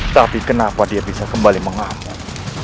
tapi kenapa dia bisa kembali menghambat